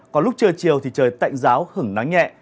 còn lúc trưa chiều thì trời tạnh giáo hứng nắng nhẹ